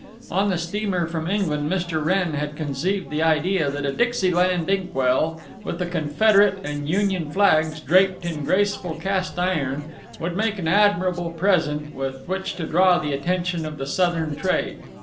On the steamer from England Mr. Wrenn had conceived the idea that a Dixieland Ink well, with the Confederate and Union flags draped in graceful cast iron, would make an admirable present with which to draw the attention of the Southem trade.